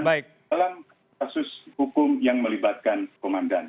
dalam kasus hukum yang melibatkan komandan